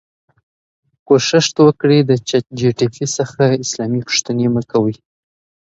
که نجونې ښوونه او علم شریک کړي، ټولنه پرمختګ کوي.